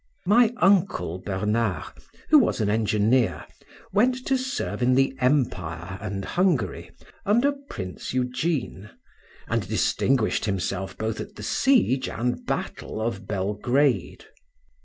My uncle Bernard, who was an engineer, went to serve in the empire and Hungary, under Prince Eugene, and distinguished himself both at the siege and battle of Belgrade.